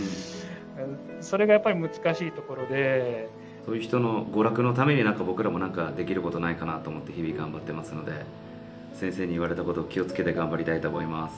そういう人の娯楽のために僕らも何かできることないかなと思って日々頑張ってますので先生に言われたことを気を付けて頑張りたいと思います。